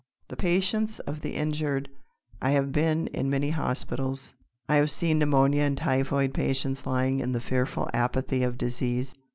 The patience of the injured! I have been in many hospitals. I have seen pneumonia and typhoid patients lying in the fearful apathy of disease.